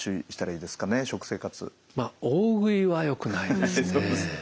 まあ大食いはよくないですね。